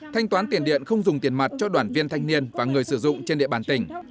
thanh toán tiền điện không dùng tiền mặt cho đoàn viên thanh niên và người sử dụng trên địa bàn tỉnh